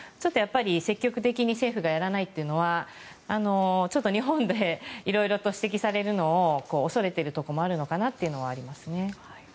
積極的にそれを政府がやらないというのは、日本でいろいろと指摘されるのを恐れているところもあるのかなと思いますね。